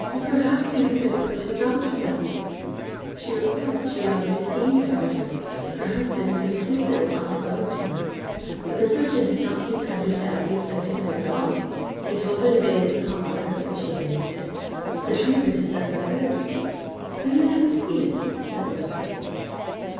'Perhaps you had better go to a doctor, ma'am.' She replied that she had already seen a doctor. Her husband had insisted upon her going to one. But the surgeon had not seemed to understand the afflicted limb at all; he had told her to bathe it in hot water, and she had bathed it, but the treatment had done no good. 'Will you let me see it?' said the milkwoman.